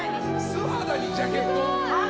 素肌にジャケット！